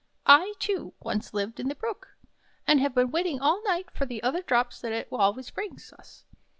"I, too, once lived in the Brook, and have been waiting all night for the other drops that it always brings us.